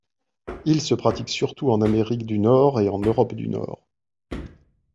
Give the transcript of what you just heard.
Il se pratique surtout en Amérique du Nord et en Europe du Nord.